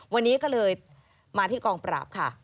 วันนี้ก็เลยมาที่กองปราบค่ะ